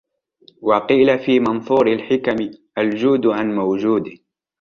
وَقِيلَ فِي مَنْثُورِ الْحِكَمِ الْجُودُ عَنْ مَوْجُودٍ